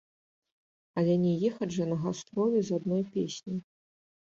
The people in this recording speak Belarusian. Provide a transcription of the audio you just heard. Але не ехаць жа на гастролі з адной песняй.